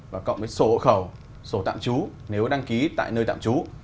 và cộng với sổ hộ khẩu sổ tạm trú nếu đăng ký tại nơi tạm trú